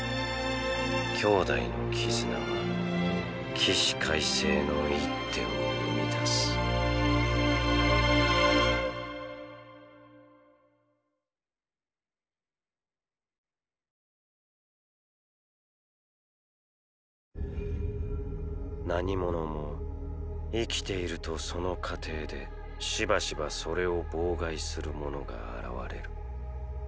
兄弟の絆は起死回生の一手を生み出す何者も生きているとその過程でしばしばそれを妨害するものが現れる。